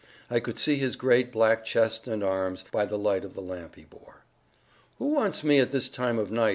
I could see his great black chest and arms, by the light of the lamp he bore. "Who wants me this time of night?"